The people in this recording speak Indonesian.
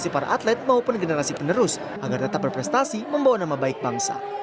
kami juga menyiapkan bonus untuk atlet atlet dan generasi penerus agar tetap berprestasi membawa nama baik bangsa